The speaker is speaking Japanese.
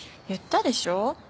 言ったでしょ？